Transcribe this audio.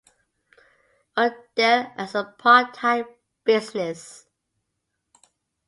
Odell as a part-time business.